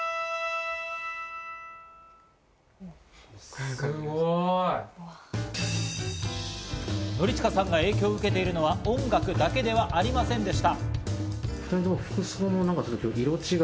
すごい！典親さんが影響を受けているのは音楽だけではありませんでした。